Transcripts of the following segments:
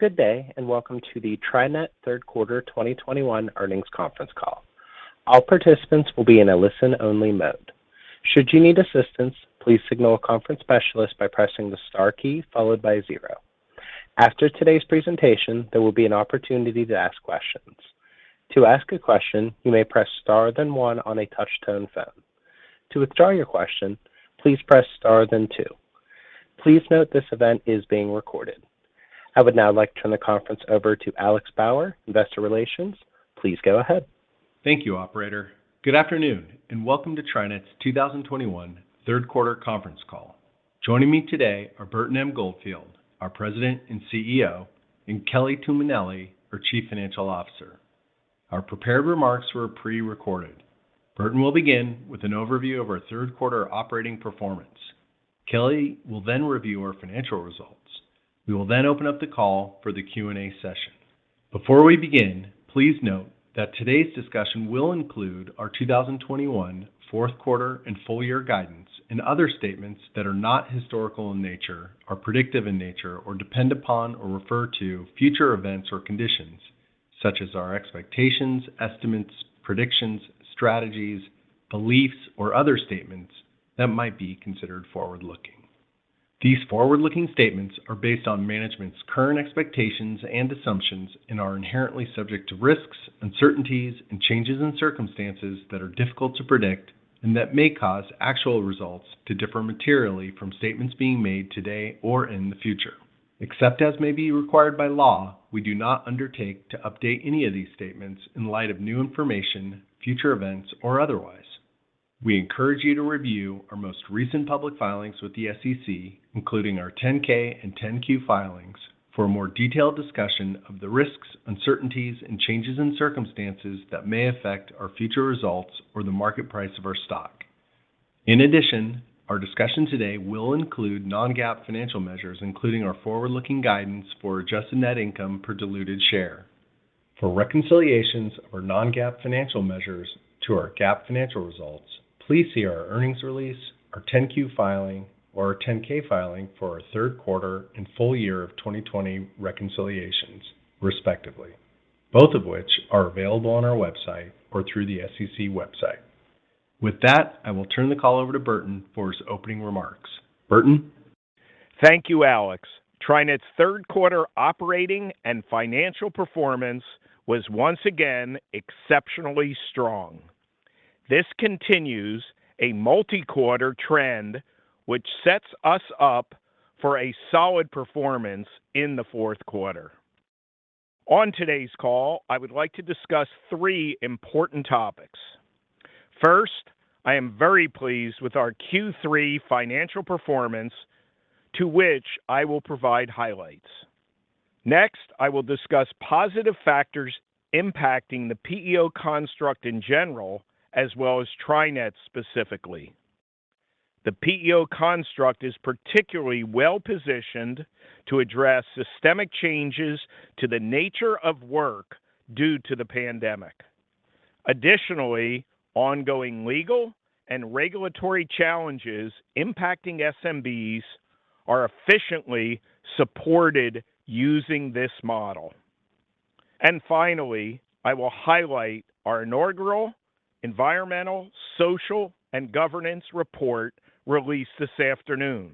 Good day, and welcome to the TriNet Third Quarter 2021 Earnings Conference Call. All participants will be in a listen-only mode. Should you need assistance, please signal a conference specialist by pressing the star key followed by zero. After today's presentation, there will be an opportunity to ask questions. To ask a question, you may press star then one on a touch-tone phone. To withdraw your question, please press star then two. Please note this event is being recorded. I would now like to turn the conference over to Alex Bauer, Investor Relatio ns. Please go ahead. Thank you, operator. Good afternoon, and welcome to TriNet's 2021 third quarter conference call. Joining me today are Burton M. Goldfield, our President and CEO, and Kelly Tuminelli, our Chief Financial Officer. Our prepared remarks were pre-recorded. Burton will begin with an overview of our third quarter operating performance. Kelly will then review our financial results. We will then open up the call for the Q&A session. Before we begin, please note that today's discussion will include our 2021 fourth quarter and full year guidance and other statements that are not historical in nature, are predictive in nature, or depend upon or refer to future events or conditions, such as our expectations, estimates, predictions, strategies, beliefs, or other statements that might be considered forward-looking. These forward-looking statements are based on management's current expectations and assumptions and are inherently subject to risks, uncertainties, and changes in circumstances that are difficult to predict and that may cause actual results to differ materially from statements being made today or in the future. Except as may be required by law, we do not undertake to update any of these statements in light of new information, future events, or otherwise. We encourage you to review our most recent public filings with the SEC, including our 10-K and 10-Q filings, for a more detailed discussion of the risks, uncertainties, and changes in circumstances that may affect our future results or the market price of our stock. In addition, our discussion today will include non-GAAP financial measures, including our forward-looking guidance for adjusted net income per diluted share. For reconciliations of our non-GAAP financial measures to our GAAP financial results, please see our earnings release, our 10-Q filing, or our 10-K filing for our third quarter and full year of 2020 reconciliations, respectively, both of which are available on our website or through the SEC website. With that, I will turn the call over to Burton for his opening remarks. Burton? Thank you, Alex. TriNet's third quarter operating and financial performance was once again exceptionally strong. This continues a multi-quarter trend, which sets us up for a solid performance in the fourth quarter. On today's call, I would like to discuss three important topics. First, I am very pleased with our Q3 financial performance, to which I will provide highlights. Next, I will discuss positive factors impacting the PEO construct in general, as well as TriNet specifically. The PEO construct is particularly well-positioned to address systemic changes to the nature of work due to the pandemic. Additionally, ongoing legal and regulatory challenges impacting SMBs are efficiently supported using this model. Finally, I will highlight our inaugural environmental, social, and governance report released this afternoon.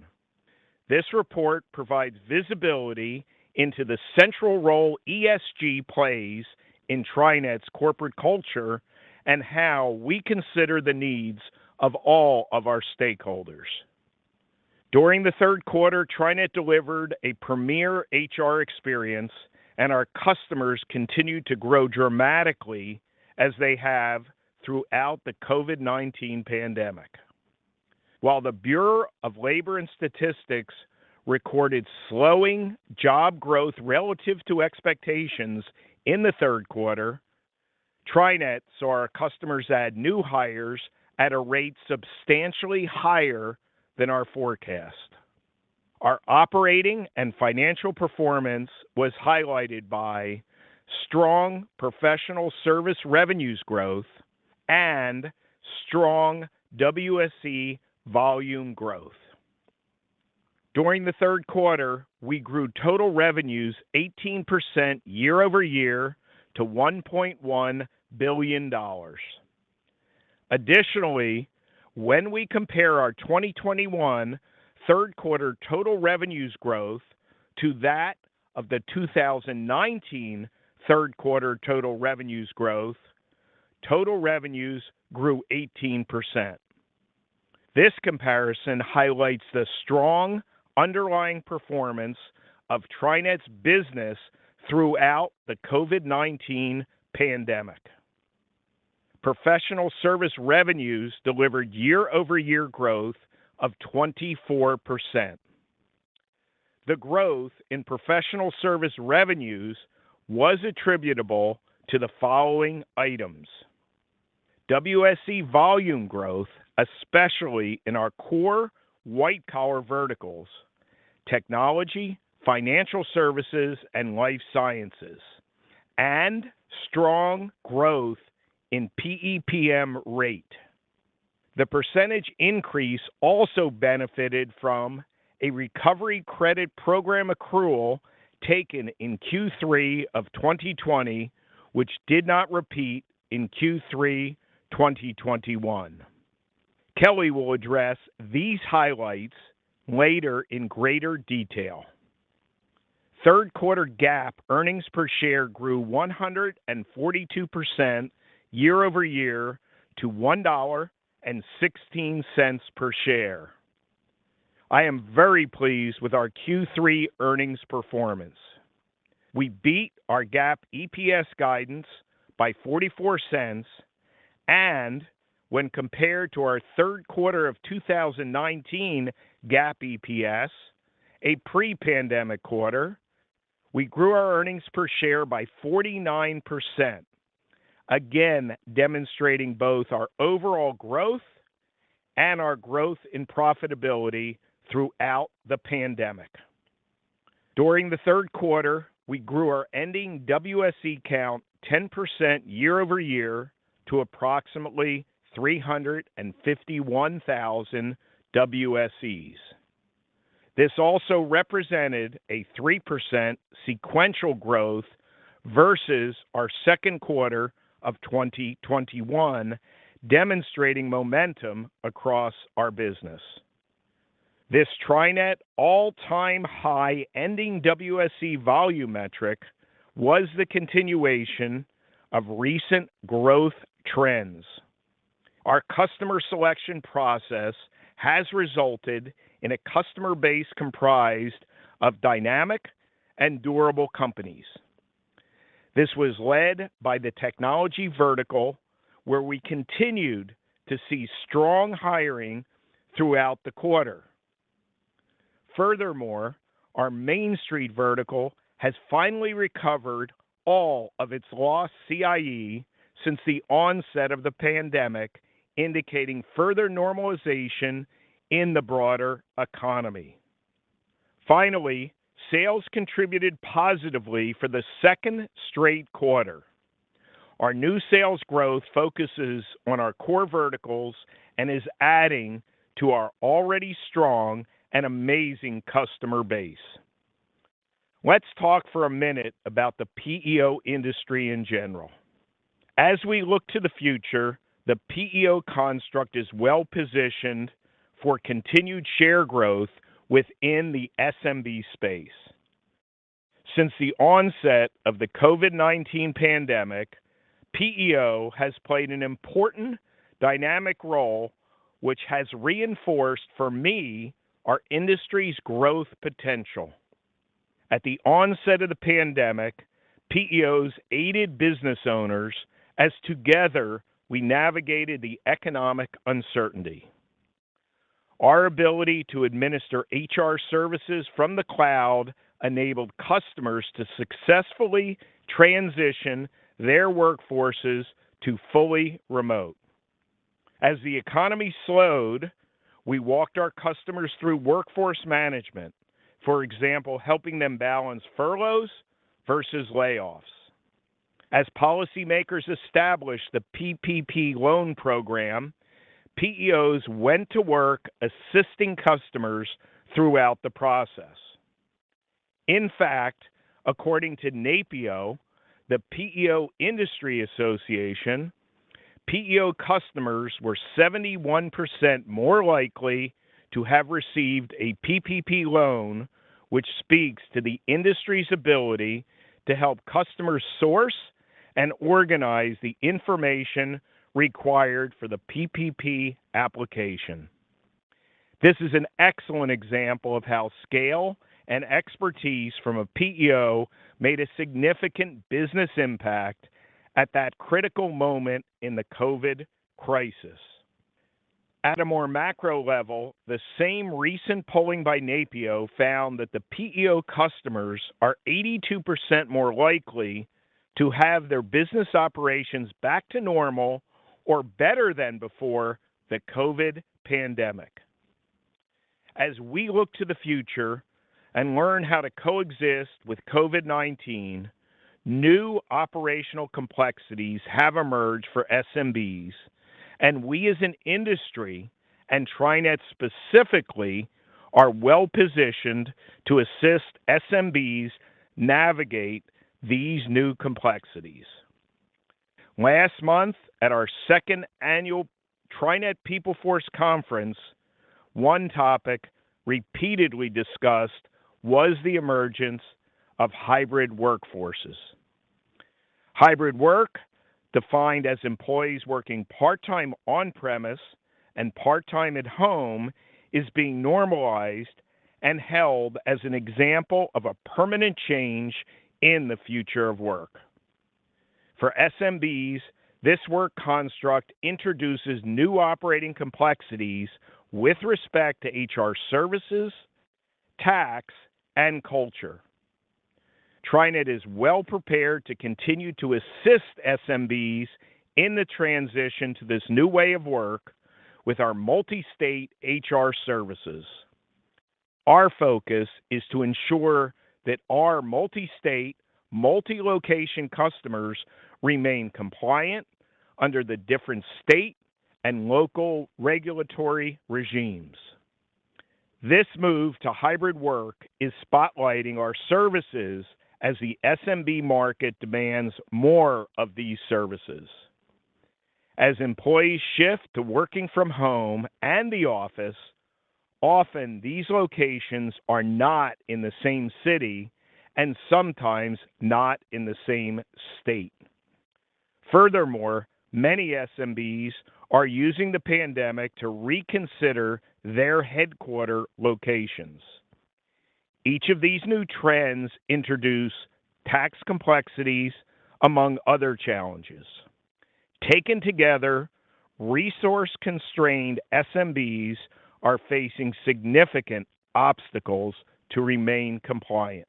This report provides visibility into the central role ESG plays in TriNet's corporate culture and how we consider the needs of all of our stakeholders. During the third quarter, TriNet delivered a premier HR experience, and our customers continued to grow dramatically as they have throughout the COVID-19 pandemic. While the Bureau of Labor Statistics recorded slowing job growth relative to expectations in the third quarter, TriNet saw our customers add new hires at a rate substantially higher than our forecast. Our operating and financial performance was highlighted by strong professional service revenues growth and strong WSE volume growth. During the third quarter, we grew total revenues 18% year-over-year to $1.1 billion. Additionally, when we compare our 2021 third quarter total revenues growth to that of the 2019 third quarter total revenues growth, total revenues grew 18%. This comparison highlights the strong underlying performance of TriNet's business throughout the COVID-19 pandemic. Professional service revenues delivered year-over-year growth of 24%. The growth in professional service revenues was attributable to the following items. WSE volume growth, especially in our core white-collar verticals, technology, financial services, and life sciences, and strong growth in PEPM rate. The percentage increase also benefited from a recovery credit program accrual taken in Q3 2020, which did not repeat in Q3 2021. Kelly will address these highlights later in greater detail. Third quarter GAAP earnings per share grew 142% year-over-year to $1.16 per share. I am very pleased with our Q3 earnings performance. We beat our GAAP EPS guidance by $0.44, and when compared to our third quarter of 2019 GAAP EPS, a pre-pandemic quarter, we grew our earnings per share by 49%, again demonstrating both our overall growth and our growth in profitability throughout the pandemic. During the third quarter, we grew our ending WSE count 10% year-over-year to approximately 351,000 WSEs. This also represented a 3% sequential growth versus our second quarter of 2021, demonstrating momentum across our business. This TriNet all-time high ending WSE volume metric was the continuation of recent growth trends. Our customer selection process has resulted in a customer base comprised of dynamic and durable companies. This was led by the technology vertical, where we continued to see strong hiring throughout the quarter. Furthermore, our main street vertical has finally recovered all of its lost CIE since the onset of the pandemic, indicating further normalization in the broader economy. Finally, sales contributed positively for the second straight quarter. Our new sales growth focuses on our core verticals and is adding to our already strong and amazing customer base. Let's talk for a minute about the PEO industry in general. As we look to the future, the PEO construct is well-positioned for continued share growth within the SMB space. Since the onset of the COVID-19 pandemic, PEO has played an important dynamic role which has reinforced for me our industry's growth potential. At the onset of the pandemic, PEOs aided business owners as together we navigated the economic uncertainty. Our ability to administer HR services from the cloud enabled customers to successfully transition their workforces to fully remote. As the economy slowed, we walked our customers through workforce management, for example, helping them balance furloughs versus layoffs. As policymakers established the PPP loan program, PEOs went to work assisting customers throughout the process. In fact, according to NAPEO, the PEO industry association, PEO customers were 71% more likely to have received a PPP loan, which speaks to the industry's ability to help customers source and organize the information required for the PPP application. This is an excellent example of how scale and expertise from a PEO made a significant business impact at that critical moment in the COVID crisis. At a more macro level, the same recent polling by NAPEO found that the PEO customers are 82% more likely to have their business operations back to normal or better than before the COVID pandemic. As we look to the future and learn how to coexist with COVID-19, new operational complexities have emerged for SMBs, and we as an industry, and TriNet specifically, are well-positioned to assist SMBs navigate these new complexities. Last month at our second annual TriNet PeopleForce conference, one topic repeatedly discussed was the emergence of hybrid workforces. Hybrid work, defined as employees working part-time on premise and part-time at home, is being normalized and held as an example of a permanent change in the future of work. For SMBs, this work construct introduces new operating complexities with respect to HR services, tax, and culture. TriNet is well prepared to continue to assist SMBs in the transition to this new way of work with our multi-state HR services. Our focus is to ensure that our multi-state, multi-location customers remain compliant under the different state and local regulatory regimes. This move to hybrid work is spotlighting our services as the SMB market demands more of these services. As employees shift to working from home and the office, often these locations are not in the same city, and sometimes not in the same state. Furthermore, many SMBs are using the pandemic to reconsider their headquarter locations. Each of these new trends introduce tax complexities, among other challenges. Taken together, resource-constrained SMBs are facing significant obstacles to remain compliant.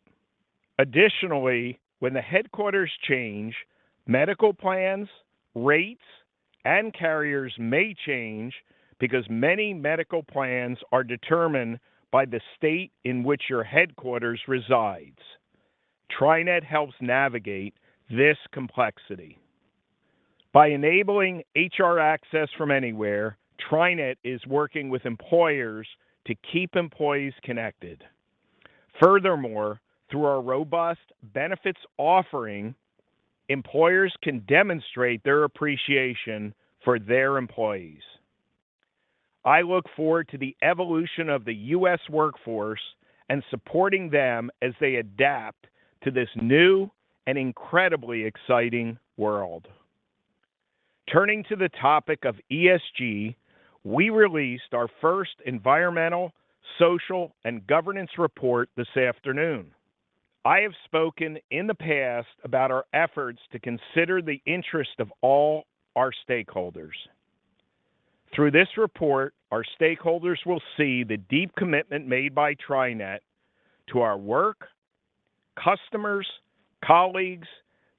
Additionally, when the headquarters change, medical plans, rates, and carriers may change because many medical plans are determined by the state in which your headquarters resides. TriNet helps navigate this complexity. By enabling HR access from anywhere, TriNet is working with employers to keep employees connected. Furthermore, through our robust benefits offering, employers can demonstrate their appreciation for their employees. I look forward to the evolution of the U.S. workforce and supporting them as they adapt to this new and incredibly exciting world. Turning to the topic of ESG, we released our first environmental, social, and governance report this afternoon. I have spoken in the past about our efforts to consider the interest of all our stakeholders. Through this report, our stakeholders will see the deep commitment made by TriNet to our work, customers, colleagues,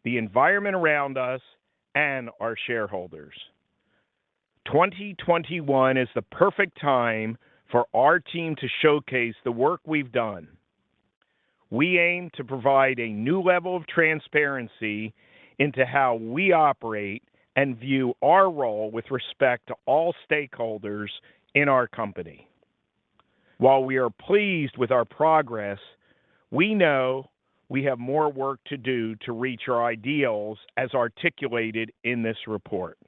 the environment around us, and our shareholders. 2021 is the perfect time for our team to showcase the work we've done. We aim to provide a new level of transparency into how we operate and view our role with respect to all stakeholders in our company. While we are pleased with our progress, we know we have more work to do to reach our ideals as articulated in this report.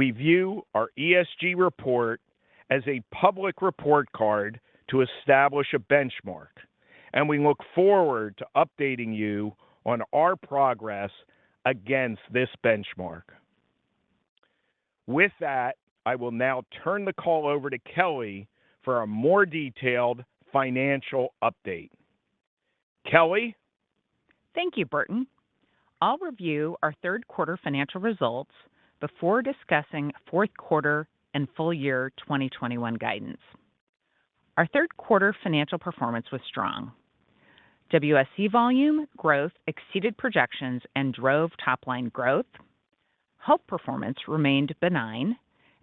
We view our ESG report as a public report card to establish a benchmark, and we look forward to updating you on our progress against this benchmark. With that, I will now turn the call over to Kelly for a more detailed financial update. Kelly? Thank you, Burton. I'll review our third quarter financial results before discussing fourth quarter and full year 2021 guidance. Our third quarter financial performance was strong. WSE volume growth exceeded projections and drove top-line growth. Health performance remained benign,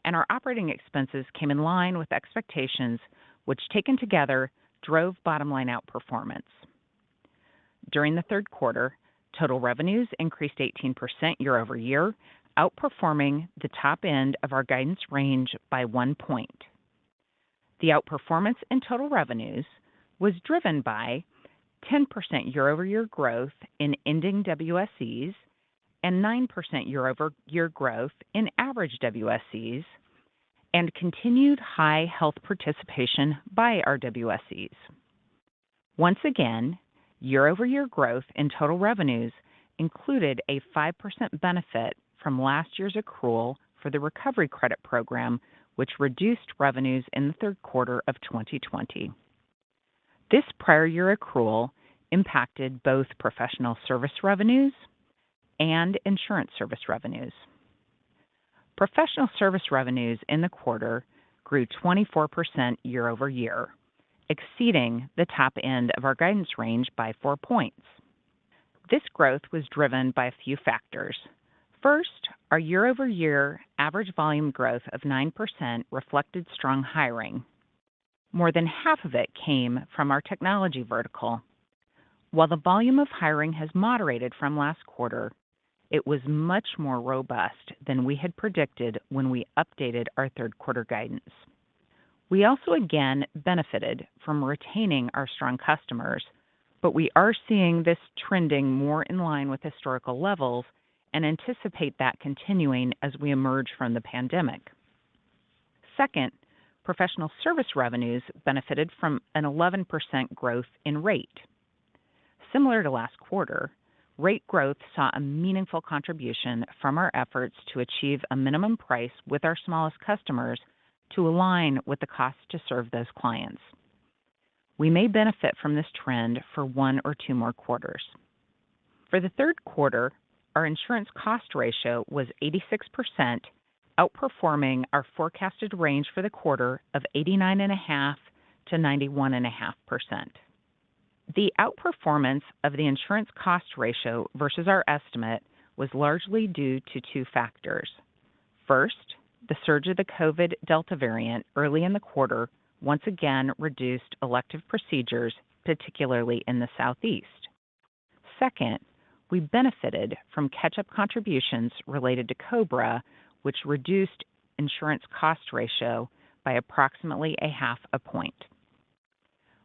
and our operating expenses came in line with expectations, which, taken together, drove bottom-line outperformance. During the third quarter, total revenues increased 18% year-over-year, outperforming the top end of our guidance range by 1 point. The outperformance in total revenues was driven by 10% year-over-year growth in ending WSEs and 9% year-over-year growth in average WSEs and continued high health participation by our WSEs. Once again, year-over-year growth in total revenues included a 5% benefit from last year's accrual for the recovery credit program, which reduced revenues in the third quarter of 2020. This prior year accrual impacted both professional service revenues and insurance service revenues. Professional service revenues in the quarter grew 24% year-over-year, exceeding the top end of our guidance range by four points. This growth was driven by a few factors. First, our year-over-year average volume growth of 9% reflected strong hiring. More than half of it came from our technology vertical. While the volume of hiring has moderated from last quarter, it was much more robust than we had predicted when we updated our third quarter guidance. We also, again, benefited from retaining our strong customers, but we are seeing this trending more in line with historical levels and anticipate that continuing as we emerge from the pandemic. Second, professional service revenues benefited from an 11% growth in rate. Similar to last quarter, rate growth saw a meaningful contribution from our efforts to achieve a minimum price with our smallest customers to align with the cost to serve those clients. We may benefit from this trend for one or two more quarters. For the third quarter, our insurance cost ratio was 86%, outperforming our forecasted range for the quarter of 89.5%-91.5%. The outperformance of the insurance cost ratio versus our estimate was largely due to two factors. First, the surge of the COVID Delta variant early in the quarter once again reduced elective procedures, particularly in the Southeast. Second, we benefited from catch-up contributions related to COBRA, which reduced insurance cost ratio by approximately a half a point.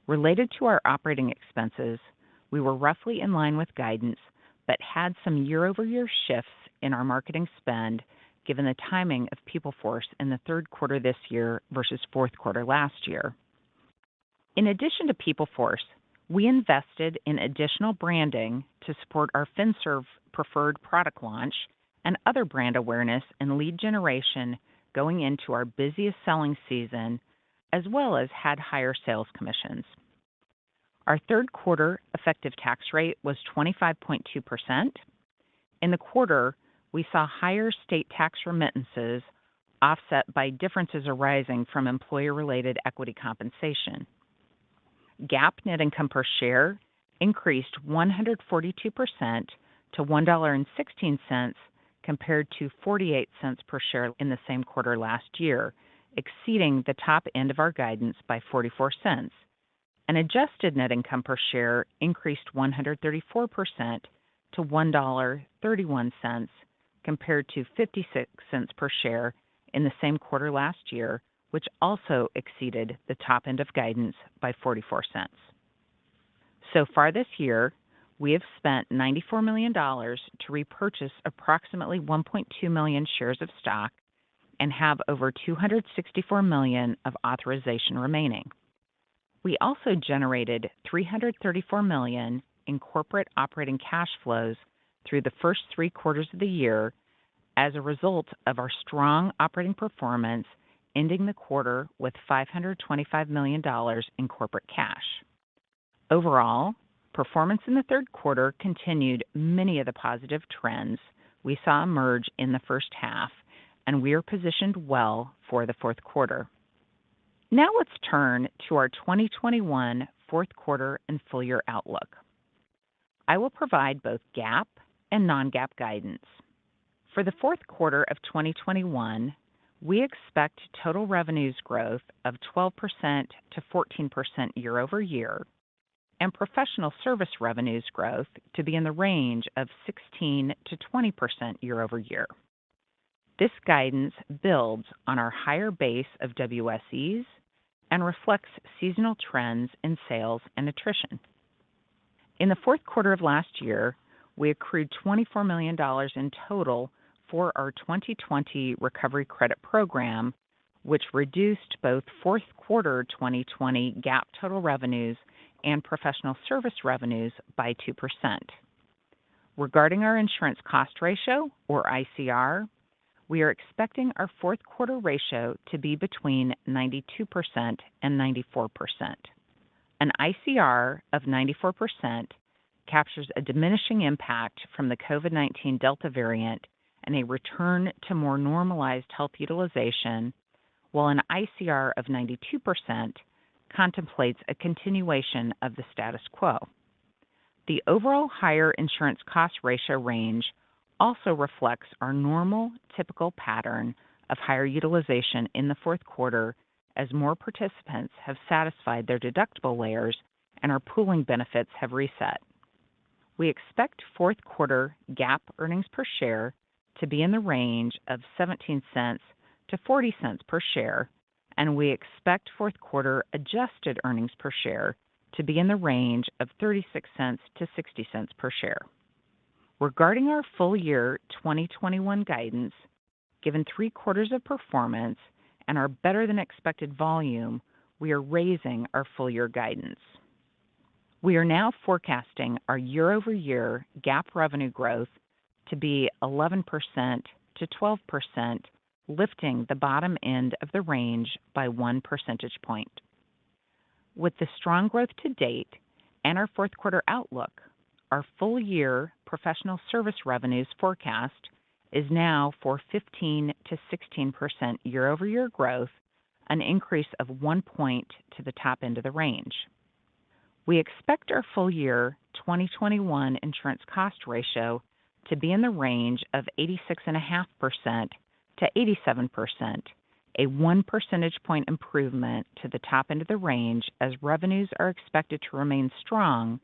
Related to our operating expenses, we were roughly in line with guidance but had some year-over-year shifts in our marketing spend given the timing of PeopleForce in the third quarter this year versus fourth quarter last year. In addition to PeopleForce, we invested in additional branding to support our FinServ Preferred product launch and other brand awareness and lead generation going into our busiest selling season, as well as had higher sales commissions. Our third quarter effective tax rate was 25.2%. In the quarter, we saw higher state tax remittances offset by differences arising from employer-related equity compensation. GAAP net income per share increased 142% to $1.16 compared to $0.48 per share in the same quarter last year, exceeding the top end of our guidance by $0.44. Adjusted net income per share increased 134% to $1.31 compared to $0.56 per share in the same quarter last year, which also exceeded the top end of guidance by $0.44. Far this year, we have spent $94 million to repurchase approximately 1.2 million shares of stock and have over $264 million of authorization remaining. We also generated $334 million in corporate operating cash flows through the first three quarters of the year as a result of our strong operating performance, ending the quarter with $525 million in corporate cash. Overall, performance in the third quarter continued many of the positive trends we saw emerge in the first half, and we are positioned well for the fourth quarter. Let's turn to our 2021 fourth quarter and full-year outlook. I will provide both GAAP and non-GAAP guidance. For the fourth quarter of 2021, we expect total revenues growth of 12%-14% year-over-year, and professional service revenues growth to be in the range of 16%-20% year-over-year. This guidance builds on our higher base of WSEs and reflects seasonal trends in sales and attrition. In the fourth quarter of last year, we accrued $24 million in total for our 2020 recovery credit program, which reduced both fourth quarter 2020 GAAP total revenues and professional service revenues by 2%. Regarding our insurance cost ratio, or ICR, we are expecting our fourth quarter ratio to be between 92% and 94%. An ICR of 94% captures a diminishing impact from the COVID-19 Delta variant and a return to more normalized health utilization, while an ICR of 92% contemplates a continuation of the status quo. The overall higher insurance cost ratio range also reflects our normal typical pattern of higher utilization in the fourth quarter as more participants have satisfied their deductible layers and our pooling benefits have reset. We expect fourth quarter GAAP earnings per share to be in the range of $0.17 to $0.40 per share, and we expect fourth quarter adjusted earnings per share to be in the range of $0.36 to $0.60 per share. Regarding our full year 2021 guidance, given three quarters of performance and our better-than-expected volume, we are raising our full-year guidance. We are now forecasting our year-over-year GAAP revenue growth to be 11%-12%, lifting the bottom end of the range by 1 percentage point. With the strong growth to date and our fourth quarter outlook, our full-year professional service revenues forecast is now for 15%-16% year-over-year growth, an increase of one point to the top end of the range. We expect our full-year 2021 insurance cost ratio to be in the range of 86.5%-87%, a one percentage point improvement to the top end of the range as revenues are expected to remain strong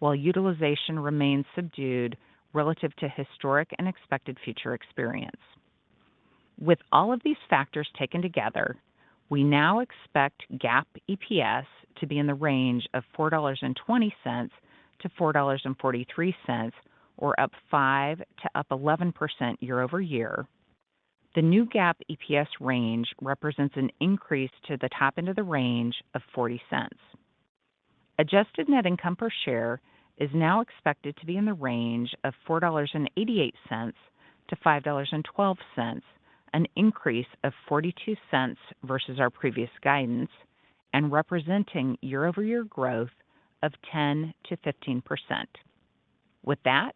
while utilization remains subdued relative to historic and expected future experience. With all of these factors taken together, we now expect GAAP EPS to be in the range of $4.20-$4.43, or up 5% to up 11% year-over-year. The new GAAP EPS range represents an increase to the top end of the range of $0.40. Adjusted net income per share is now expected to be in the range of $4.88-$5.12, an increase of $0.42 versus our previous guidance, and representing year-over-year growth of 10%-15%. With that,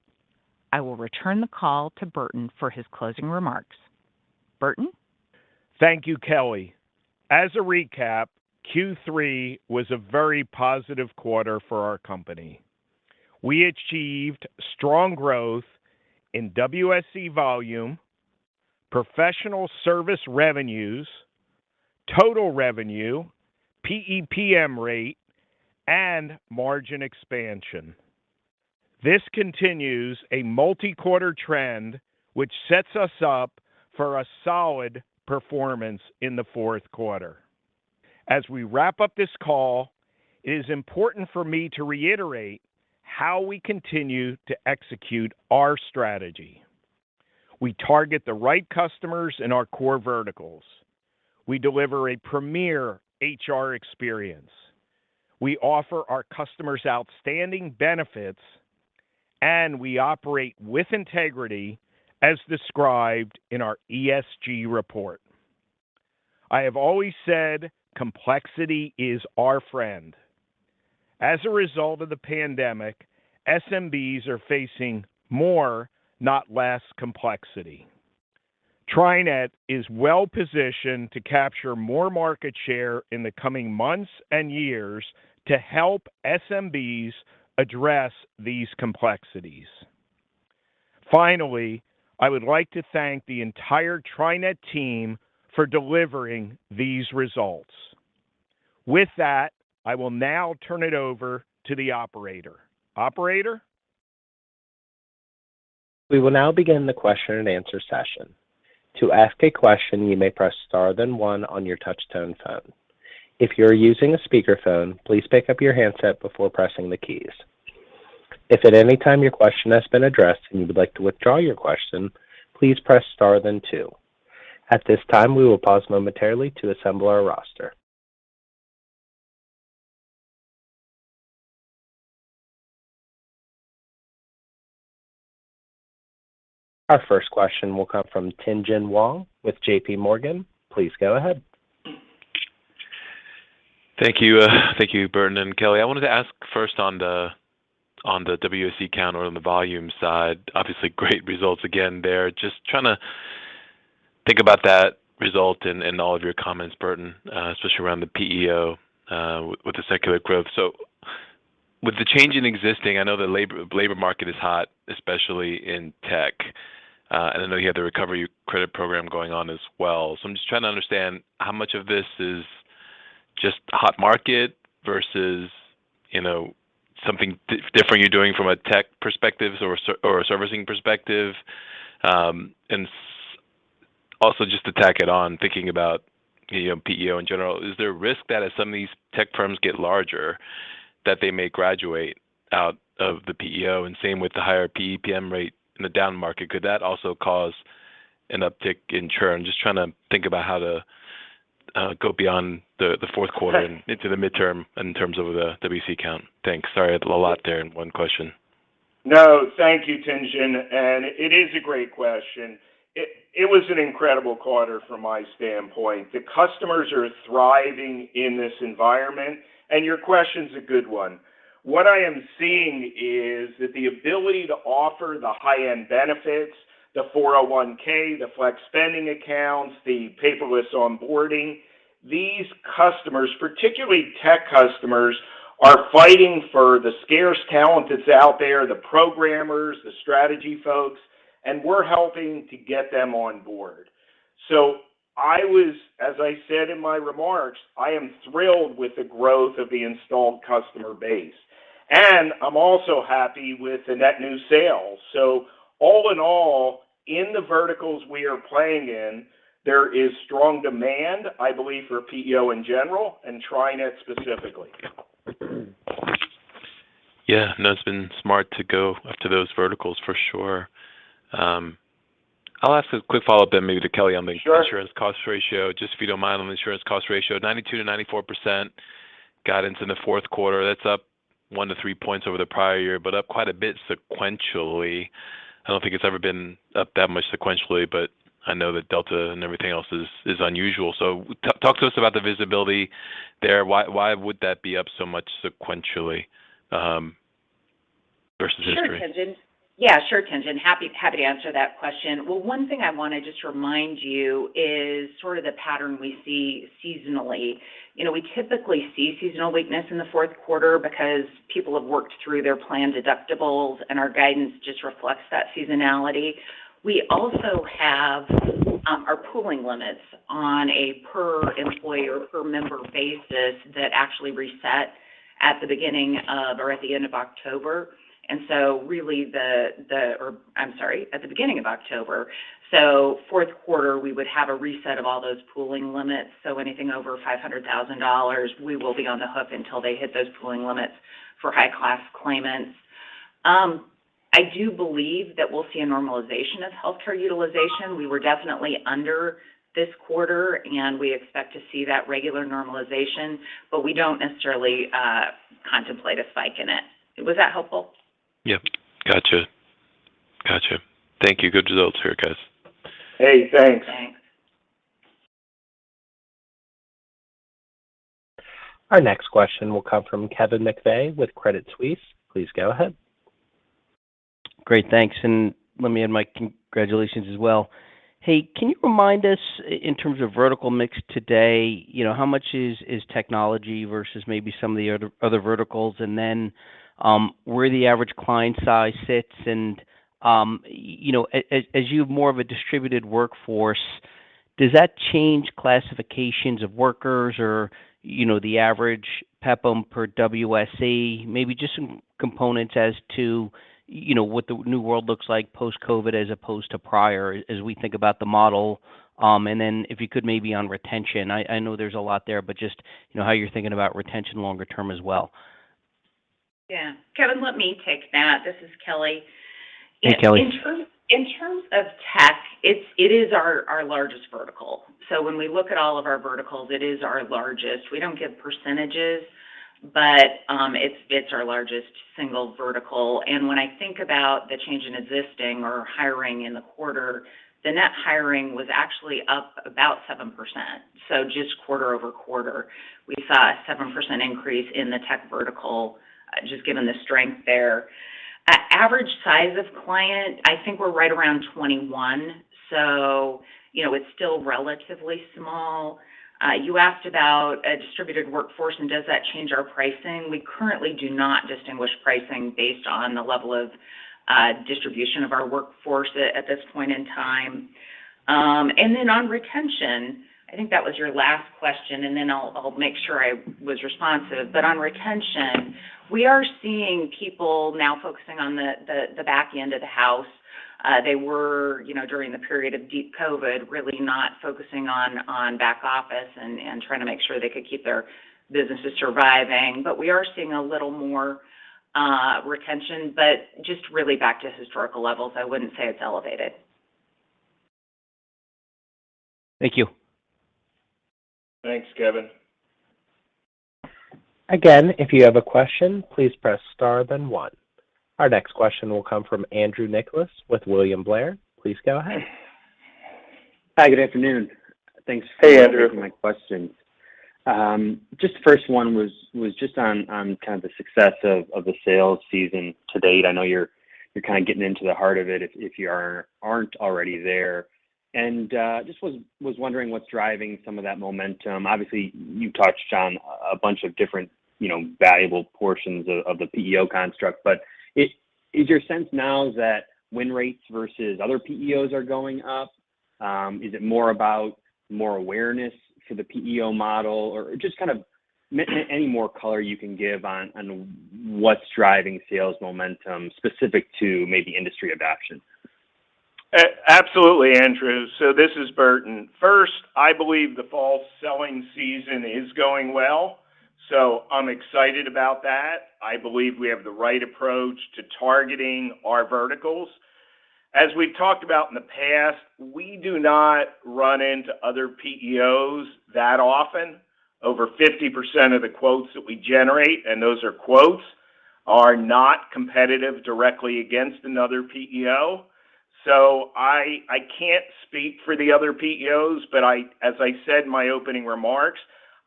I will return the call to Burton for his closing remarks. Burton? Thank you, Kelly. As a recap, Q3 was a very positive quarter for our company. We achieved strong growth in WSE volume, professional service revenues, total revenue, PEPM rate, and margin expansion. This continues a multi-quarter trend, which sets us up for a solid performance in the fourth quarter. As we wrap up this call, it is important for me to reiterate how we continue to execute our strategy. We target the right customers in our core verticals. We deliver a premier HR experience. We offer our customers outstanding benefits. We operate with integrity, as described in our ESG report. I have always said complexity is our friend. As a result of the pandemic, SMBs are facing more, not less, complexity. TriNet is well-positioned to capture more market share in the coming months and years to help SMBs address these complexities. Finally, I would like to thank the entire TriNet team for delivering these results. With that, I will now turn it over to the operator. Operator? We will now begin the question and answer session. To ask a question, you may press star then one on your touch tone phone. If you are using a speakerphone, please pick up your handset before pressing the keys. If at any time your question has been addressed and you would like to withdraw your question, please press star then two. At this time, we will pause momentarily to assemble our roster. Our first question will come from Tien-Tsin Huang with JPMorgan. Please go ahead. Thank you, Burton and Kelly. I'm just trying to think about that result and all of your comments, Burton, especially around the PEO, with the secular growth. With the change in existing, I know the labor market is hot, especially in tech. I know you have the Recovery Credit Program going on as well. I'm just trying to understand how much of this is just hot market versus something different you're doing from a tech perspective or a servicing perspective. Also just to tack it on, thinking about PEO in general, is there a risk that as some of these tech firms get larger, that they may graduate out of the PEO? Same with the higher PEPM rate in the down market. Could that also cause an uptick in churn? Just trying to think about how to go beyond the fourth quarter and into the midterm in terms of the WSE count. Thanks. Sorry, a lot there in one question. No, thank you, Tien-Tsin. It is a great question. It was an incredible quarter from my standpoint. The customers are thriving in this environment. Your question's a good one. What I am seeing is that the ability to offer the high-end benefits, the 401(k), the flex spending accounts, the paperless onboarding. These customers, particularly tech customers, are fighting for the scarce talent that's out there, the programmers, the strategy folks, and we're helping to get them on board. As I said in my remarks, I am thrilled with the growth of the installed customer base. I'm also happy with the net new sales. All in all, in the verticals we are playing in, there is strong demand, I believe, for PEO in general and TriNet specifically. Yeah. No, it's been smart to go after those verticals for sure. I'll ask a quick follow-up then maybe to Kelly. Sure. Insurance cost ratio, just if you don't mind, on the insurance cost ratio, 92%-94% guidance in the fourth quarter. That's up 1 to 3 points over the prior year, but up quite a bit sequentially. I don't think it's ever been up that much sequentially, but I know that Delta and everything else is unusual. Talk to us about the visibility there. Why would that be up so much sequentially versus history? Sure, Tien-Tsin. Happy to answer that question. Well, one thing I want to just remind you is sort of the pattern we see seasonally. We typically see seasonal weakness in the fourth quarter because people have worked through their planned deductibles, and our guidance just reflects that seasonality. We also have our pooling limits on a per-employer, per-member basis that actually reset at the beginning of, or at the end of October. I'm sorry, at the beginning of October. Fourth quarter, we would have a reset of all those pooling limits. Anything over $500,000, we will be on the hook until they hit those pooling limits for high-cost claimants. I do believe that we'll see a normalization of healthcare utilization. We were definitely under this quarter, and we expect to see that regular normalization, but we don't necessarily contemplate a spike in it. Was that helpful? Yep. Got you. Thank you. Good results here, guys. Hey, thanks. Our next question will come from Kevin McVeigh with Credit Suisse. Please go ahead. Great. Thanks. Let me add my congratulations as well. Hey, can you remind us in terms of vertical mix today, how much is technology versus maybe some of the other verticals? Where the average client size sits and, as you have more of a distributed workforce, does that change classifications of workers or the average PEPM per WSE? Maybe just some components as to what the new world looks like post-COVID as opposed to prior as we think about the model. If you could maybe on retention, I know there's a lot there, but just how you're thinking about retention longer term as well. Yeah. Kevin, let me take that. This is Kelly. Hey, Kelly. In terms of tech, it is our largest vertical. When we look at all of our verticals, it is our largest. We don't give percentages, but it's our largest single vertical. When I think about the change in existing or hiring in the quarter, the net hiring was actually up about 7%. Just quarter-over-quarter, we saw a 7% increase in the tech vertical, just given the strength there. Average size of client, I think we're right around 21, so it's still relatively small. You asked about a distributed workforce and does that change our pricing. We currently do not distinguish pricing based on the level of distribution of our workforce at this point in time. On retention, I think that was your last question, and then I'll make sure I was responsive. On retention, we are seeing people now focusing on the back end of the house. They were, during the period of deep COVID, really not focusing on back office and trying to make sure they could keep their businesses surviving. We are seeing a little more retention, but just really back to historical levels. I wouldn't say it's elevated. Thank you. Thanks, Kevin. Again, if you have a question, please press star then one. Our next question will come from Andrew Nicholas with William Blair. Please go ahead. Hi, good afternoon. Hey, Andrew. Thanks for taking my questions. Just the first one was just on, kind of the success of the sales season to date. I know you're kind of getting into the heart of it, if you aren't already there. just was wondering what's driving some of that momentum. Obviously, you touched on a bunch of different valuable portions of the PEO construct. is your sense now that win rates versus other PEOs are going up? Is it more about more awareness for the PEO model, or just kind of any more color you can give on what's driving sales momentum specific to maybe industry adoption? Absolutely, Andrew. This is Burton. First, I believe the fall selling season is going well, so I'm excited about that. I believe we have the right approach to targeting our verticals. As we've talked about in the past, we do not run into other PEOs that often. Over 50% of the quotes that we generate, and those are quotes, are not competitive directly against another PEO. I can't speak for the other PEOs, but as I said in my opening remarks,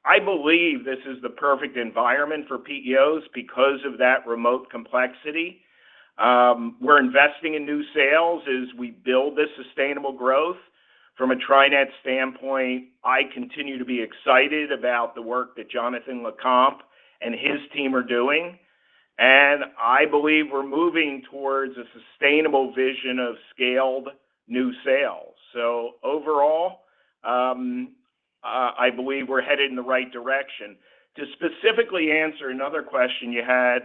I believe this is the perfect environment for PEOs because of that remote complexity. We're investing in new sales as we build this sustainable growth. From a TriNet standpoint, I continue to be excited about the work that Jonathan LeCompte and his team are doing, and I believe we're moving towards a sustainable vision of scaled new sales. Overall, I believe we're headed in the right direction. To specifically answer another question you had,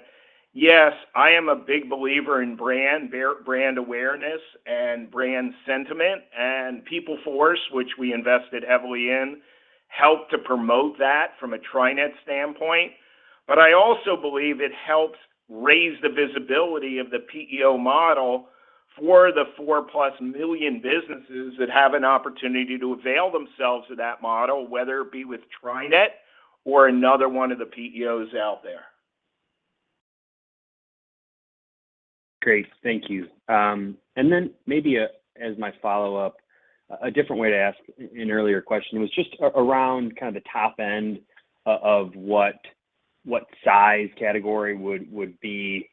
yes, I am a big believer in brand awareness and brand sentiment, and PeopleForce, which we invested heavily in, helped to promote that from a TriNet standpoint. I also believe it helped raise the visibility of the PEO model for the +4 million businesses that have an opportunity to avail themselves of that model, whether it be with TriNet or another one of the PEOs out there. Great. Thank you. Maybe as my follow-up, a different way to ask an earlier question was just around kind of the top end of what size category would be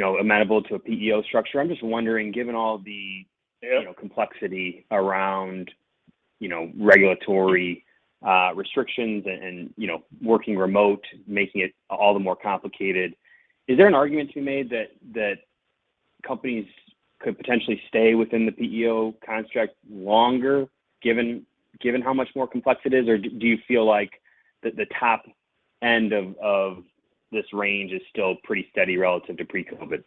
amenable to a PEO structure. I'm just wondering. Complexity around regulatory restrictions and working remote, making it all the more complicated, is there an argument to be made that companies could potentially stay within the PEO construct longer, given how much more complex it is? Do you feel like the top end of this range is still pretty steady relative to pre-COVID?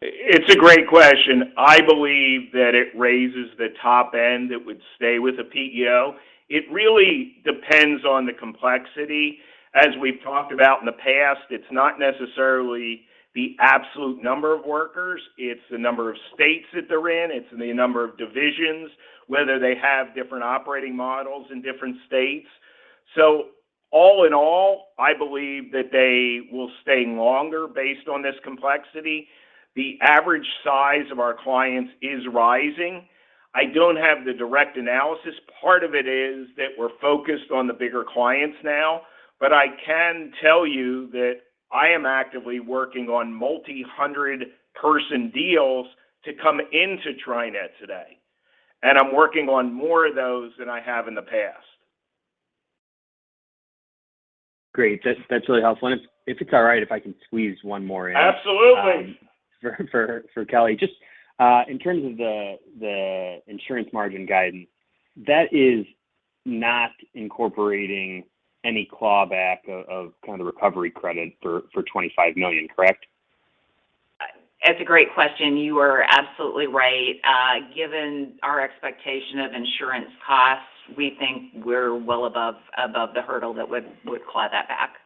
It's a great question. I believe that it raises the top end that would stay with a PEO. It really depends on the complexity. As we've talked about in the past, it's not necessarily the absolute number of workers, it's the number of states that they're in, it's the number of divisions, whether they have different operating models in different states. All in all, I believe that they will stay longer based on this complexity. The average size of our clients is rising. I don't have the direct analysis. Part of it is that we're focused on the bigger clients now, but I can tell you that I am actively working on multi-100 person deals to come into TriNet today, and I'm working on more of those than I have in the past. Great. That's really helpful. If it's all right, if I can squeeze one more in. Absolutely. For Kelly. Just in terms of the insurance margin guidance, that is not incorporating any clawback of recovery credit for $25 million, correct? That's a great question. You are absolutely right. Given our expectation of insurance costs, we think we're well above the hurdle that would claw that back.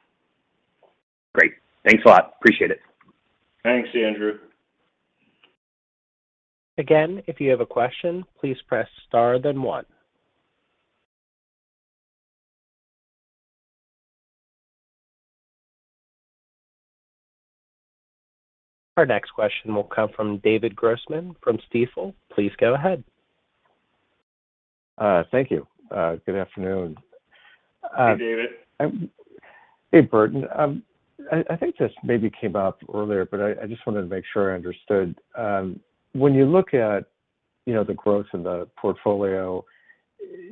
Great. Thanks a lot. Appreciate it. Thanks, Andrew. Again, if you have a question, please press star then one. Our next question will come from David Grossman from Stifel. Please go ahead. Thank you. Good afternoon. Hey, David. Hey, Burton. I think this maybe came up earlier, but I just wanted to make sure I understood. When you look at the growth of the portfolio,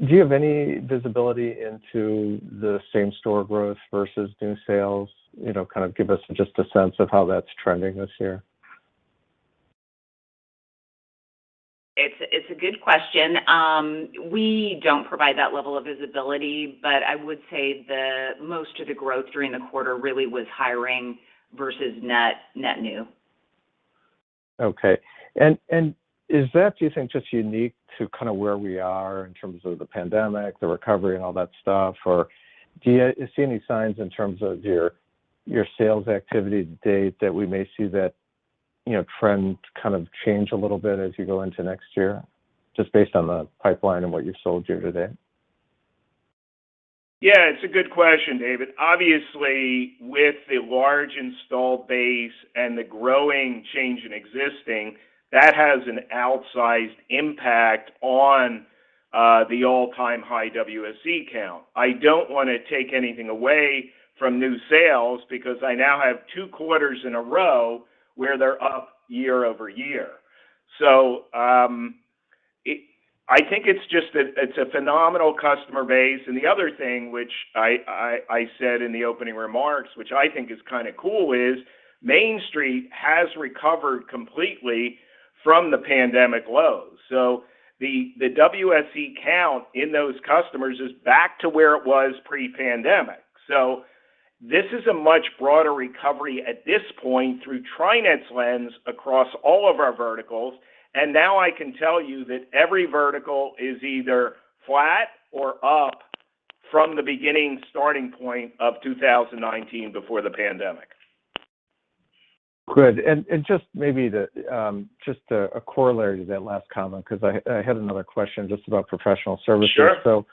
do you have any visibility into the same store growth versus new sales? Kind of give us just a sense of how that's trending this year. It's a good question. We don't provide that level of visibility, but I would say that most of the growth during the quarter really was hiring versus net new. Okay. Is that, do you think, just unique to where we are in terms of the pandemic, the recovery, and all that stuff, or do you see any signs in terms of your sales activity to date that we may see that trend kind of change a little bit as you go into next year, just based on the pipeline and what you've sold year to date? Yeah, it's a good question, David. Obviously, with the large installed base and the growing change in existing, that has an outsized impact on the all-time high WSE count. I don't want to take anything away from new sales because I now have two quarters in a row where they're up year-over-year. I think it's just that it's a phenomenal customer base. The other thing, which I said in the opening remarks, which I think is kind of cool, is Main Street has recovered completely from the pandemic lows. The WSE count in those customers is back to where it was pre-pandemic. This is a much broader recovery at this point through TriNet's lens across all of our verticals. Now I can tell you that every vertical is either flat or up from the beginning starting point of 2019 before the pandemic. Good. Just maybe a corollary to that last comment, because I had another question just about professional services. Sure.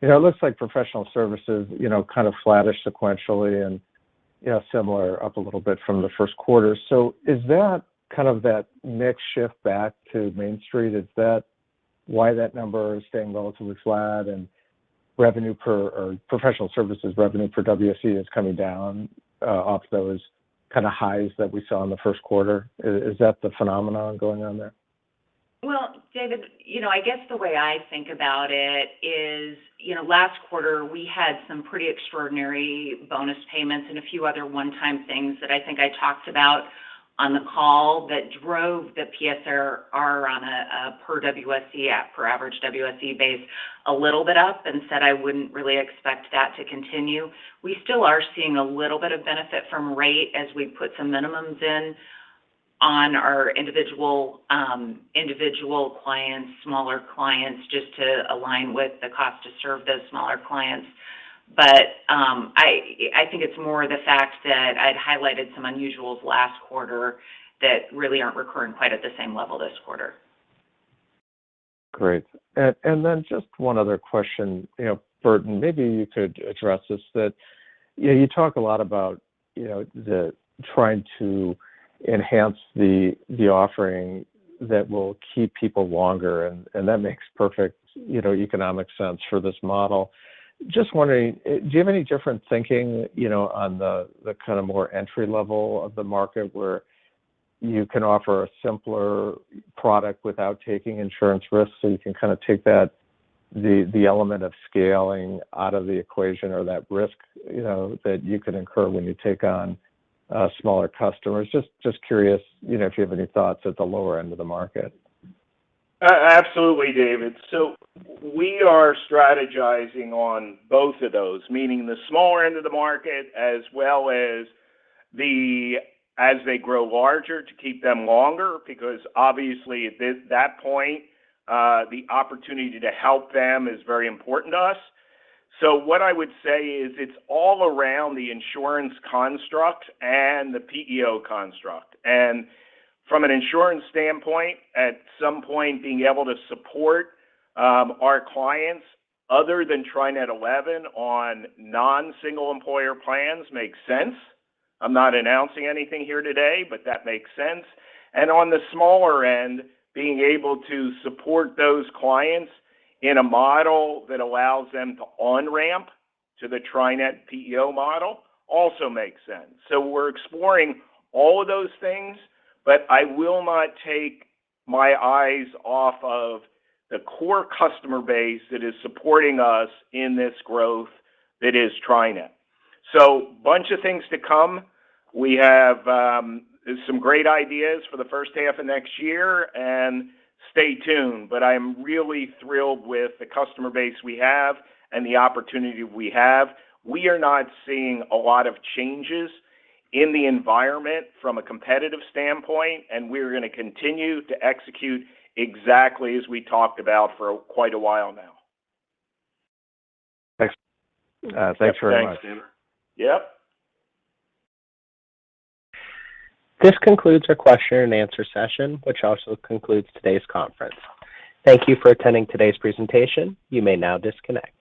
It looks like professional services, kind of flattish sequentially and similar, up a little bit from the first quarter. Is that kind of that mix shift back to Main Street? Is that why that number is staying relatively flat and professional services revenue per WSE is coming down off those highs that we saw in the first quarter? Is that the phenomenon going on there? Well, David, I guess the way I think about it is, last quarter, we had some pretty extraordinary bonus payments and a few other one-time things that I think I talked about on the call that drove the PSR on a per average WSE base a little bit up, and said I wouldn't really expect that to continue. We still are seeing a little bit of benefit from rate as we put some minimums in on our individual clients, smaller clients, just to align with the cost to serve those smaller clients. I think it's more the fact that I'd highlighted some unusuals last quarter that really aren't recurring quite at the same level this quarter. Great. Just one other question. Burton, maybe you could address this, that you talk a lot about trying to enhance the offering that will keep people longer, and that makes perfect economic sense for this model. Just wondering, do you have any different thinking on the more entry level of the market where you can offer a simpler product without taking insurance risks, so you can kind of take the element of scaling out of the equation or that risk that you can incur when you take on smaller customers? Just curious if you have any thoughts at the lower end of the market. Absolutely, David. We are strategizing on both of those, meaning the smaller end of the market as well as they grow larger to keep them longer, because obviously at that point, the opportunity to help them is very important to us. What I would say is it's all around the insurance construct and the PEO construct. From an insurance standpoint, at some point, being able to support our clients other than TriNet 11 on non-single employer plans makes sense. I'm not announcing anything here today, but that makes sense. On the smaller end, being able to support those clients in a model that allows them to on-ramp to the TriNet PEO model also makes sense. We're exploring all of those things, but I will not take my eyes off of the core customer base that is supporting us in this growth that is TriNet. Bunch of things to come. We have some great ideas for the first half of next year, and stay tuned. I'm really thrilled with the customer base we have and the opportunity we have. We are not seeing a lot of changes in the environment from a competitive standpoint, and we're going to continue to execute exactly as we talked about for quite a while now. Thanks very much. Thanks, David. This concludes our question and answer session, which also concludes today's conference. Thank you for attending today's presentation. You may now disconnect.